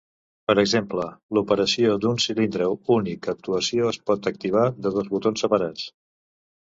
Per exemple, l'operació d'un cilindre únic actuació es pot activar de dos botons separats.